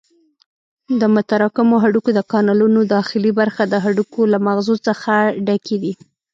د متراکمو هډوکو د کانالونو داخلي برخه د هډوکو له مغزو څخه ډکې دي.